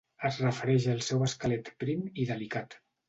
Es refereix al seu esquelet prim i delicat.